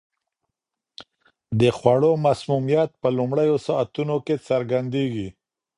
د خوړو مسمومیت په لومړیو ساعتونو کې څرګندیږي.